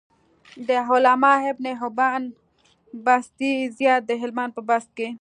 د علامه ابن حبان بستي زيارت د هلمند په بست کی